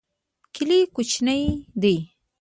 کلی کوچنی دی.